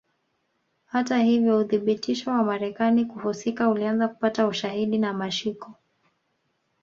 Hata hivyo uthibitisho wa Marekani kuhusika ulianza kupata ushahidi na mashiko